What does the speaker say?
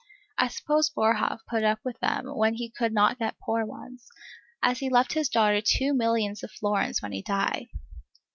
I suppose Boerhaave put up with them when he could not get poor ones, as he left his daughter two millions of florins when he died.